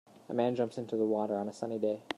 A man jumps into the water on a sunny day.